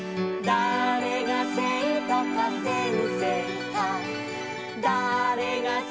「だれがせいとかせんせいか」